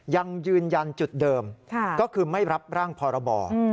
ยังยืนยันจุดเดิมก็คือไม่รับร่างพรบ